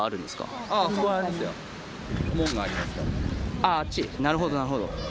あぁあっちなるほどなるほど。